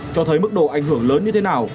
cho thấy mức độ ảnh hưởng lớn như thế nào